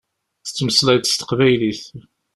Tettmeslayeḍ s teqbaylit.